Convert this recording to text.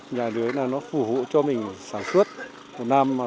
nhảy lửa là nó phù hộ cho mình sản xuất một năm